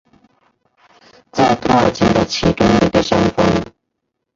在托尔金的其中一个山峰。